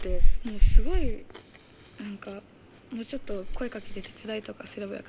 すごい何かもうちょっと声かけて手伝いとかすればよかったなっていう。